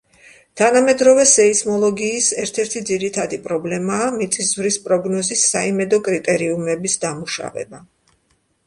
თანამედროვე სეისმოლოგიის ერთ-ერთი ძირითადი პრობლემაა მიწისძვრის პროგნოზის საიმედო კრიტერიუმების დამუშავება.